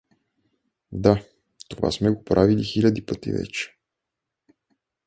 Да, това сме го правили хиледи пъти вече.